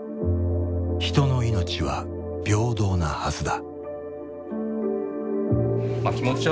人の命は平等なはずだ」。